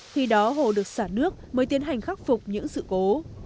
khi đó hồ được xả nước mới tiến hành khắc phục những sự cố